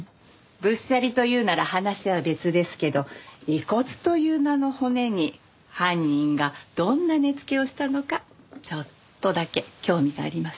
仏舎利というなら話は別ですけど遺骨という名の骨に犯人がどんな値付けをしたのかちょっとだけ興味があります。